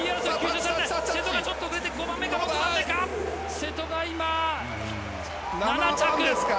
瀬戸が今、７着。